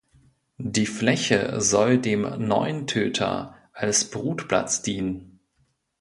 Die Fläche soll dem Neuntöter als Brutplatz dienen.